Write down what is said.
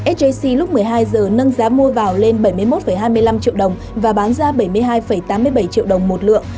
sjc lúc một mươi hai h nâng giá mua vào lên bảy mươi một hai mươi năm triệu đồng và bán ra bảy mươi hai tám mươi bảy triệu đồng một lượng